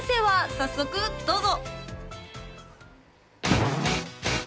早速どうぞ！